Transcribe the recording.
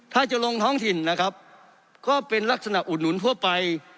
ถ้าจะลงท้องถิ่นนะครับก็เป็นลักษณะอุดหนุนทั่วไป